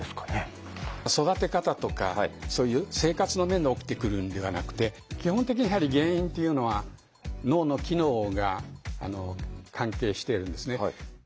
育て方とかそういう生活の面で起きてくるんではなくて基本的にやはり原因っていうのは脳の機能が関係してるんですね。